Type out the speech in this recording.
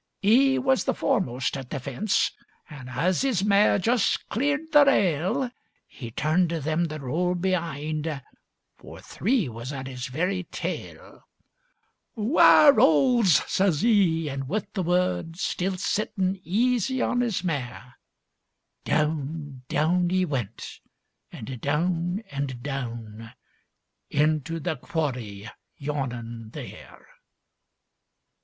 'E was the foremost at the fence, And as 'is mare just cleared the rail He turned to them that rode be'ind, For three was at 'is very tail. ''Ware 'oles!' says 'e, an' with the word, Still sittin' easy on his mare, Down, down 'e went, an' down an' down, Into the quarry yawnin' there.